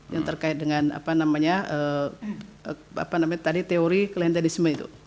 yang terkait dengan apa namanya apa namanya tadi teori klientelisme itu